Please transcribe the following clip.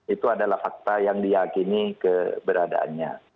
itu adalah fakta yang diakini keberadaannya